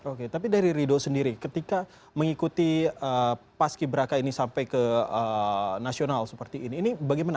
oke tapi dari ridho sendiri ketika mengikuti paski beraka ini sampai ke nasional seperti ini ini bagaimana